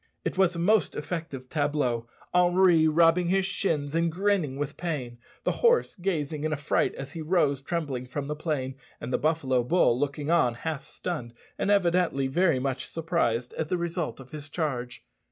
It was a most effective tableau Henri rubbing his shins and grinning with pain, the horse gazing in affright as he rose trembling from the plain, and the buffalo bull looking on half stunned, and evidently very much surprised at the result of his charge.